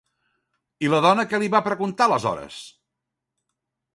I la dona què li va preguntar aleshores?